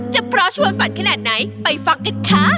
เพราะชวนฝันขนาดไหนไปฟังกันค่ะ